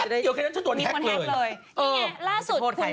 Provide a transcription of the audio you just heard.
เดี๋ยวแค่นั้นฉันโดนแฮคเลย